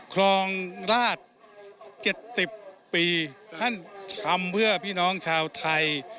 ครองราช๗๐ปีท่านทำเพื่อพี่น้องชาวไทย